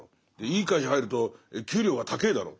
いい会社入ると給料が高ぇだろ。